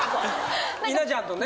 稲ちゃんとね。